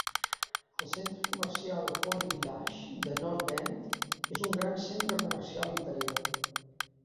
El centre comercial Pony Village de North Bend és un gran centre comercial interior.